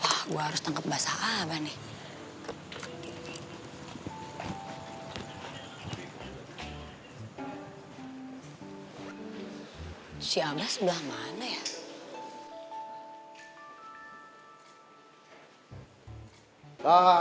wah gue harus tangkap basah abah nih